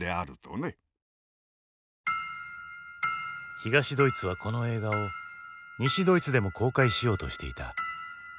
東ドイツはこの映画を西ドイツでも公開しようとしていた。